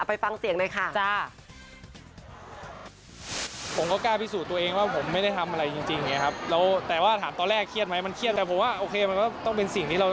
ไปฟังเสียงด้วยค่ะ